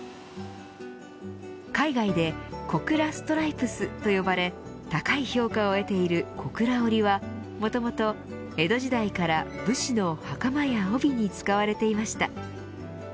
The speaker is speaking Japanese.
海外でコクラ・ストライプスと呼ばれ高い評価を得ている小倉織はもともと江戸時代から武士のはかまや帯に使われていました。